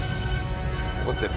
怒ってる。